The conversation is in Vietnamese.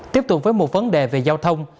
tiếp tục với một vấn đề về giao thông